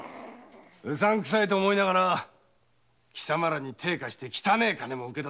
うさんくさいと思いながら貴様らに手を貸して汚い金も受け取った。